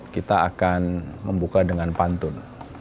kita akan membuka dengan pantun